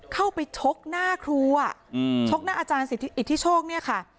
เข้าไปชกหน้าครูอ่ะชกหน้าอาจารย์สิทธิอิทธิโชคเนี่ยค่ะ